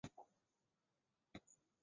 汉族称之为茶山瑶。